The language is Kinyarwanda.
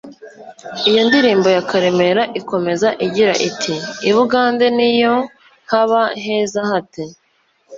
Iyo ndirimbo ya Karemera ikomeza igira iti “i Bugande n’iyo haba heza hate